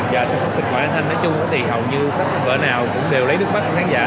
giờ sản xuất kịch bản án thanh nói chung thì hầu như các vở nào cũng đều lấy đứt mắt khán giả